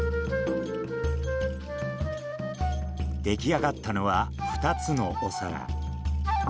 出来上がったのは２つのお皿。